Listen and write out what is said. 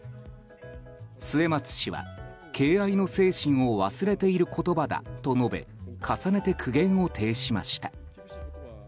末松氏は、敬愛の精神を忘れている言葉だと述べ重ねて苦言を呈しました。